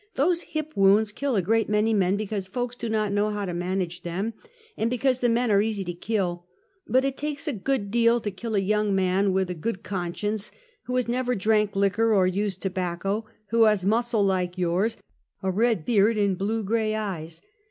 Those hip wounds kill a great many men, because folks do not know how to manage them, and because the men are easy to kill; but it takes a good deal to kill a young man with a good con science, who has never drank liquor or used tobacco; who has muscle like yours, a red beard and blue gray ej' es."